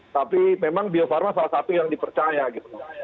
tapi memang bio farma salah satu yang dipercaya gitu